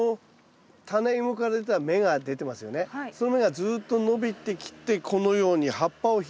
その芽がずっと伸びてきてこのように葉っぱを広げてきます。